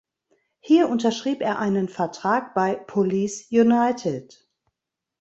Hier unterschrieb er einen Vertrag bei Police United.